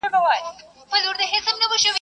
علماوو خدمت کړی دی.